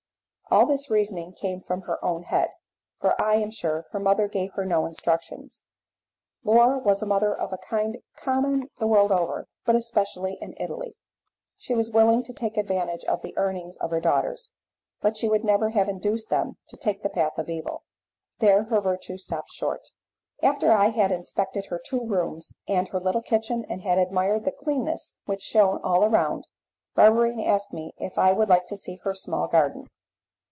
All this reasoning came from her own head, for I am sure her mother gave her no instructions. Laura was a mother of a kind common the world over, but especially in Italy. She was willing to take advantage of the earnings of her daughters, but she would never have induced them to take the path of evil. There her virtue stopped short. After I had inspected her two rooms and her little kitchen, and had admired the cleanness which shone all around, Barberine asked me if I would like to see their small garden.